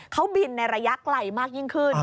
เขาบินในระยะไกลมากยิ่งขึ้น